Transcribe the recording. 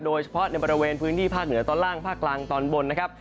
โดยเฉพาะในบริเวณพื้นที่ภาคเหนือตอนล่างภาคกลางตอนบนนะครับ